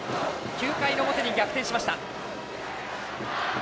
９回表に逆転しました。